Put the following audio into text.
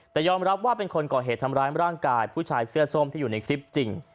แต่ยอมรับว่าเป็นคนก่อเหตุทำร้ายร่างกายผู้ชายเสื้อส้มที่อยู่ในคลิปจริง